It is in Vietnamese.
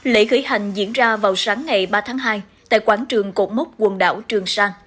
lễ khởi hành diễn ra vào sáng ngày ba tháng hai tại quảng trường cột mốc quần đảo trường sa